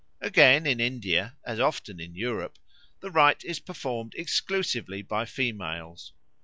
Again, in India, as often in Europe, the rite is performed exclusively by females.